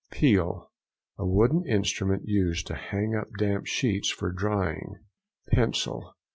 PEEL.—A wooden instrument used to hang up damp sheets for drying. PENCIL.